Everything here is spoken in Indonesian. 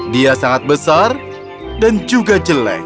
dia sangat besar dan juga jelek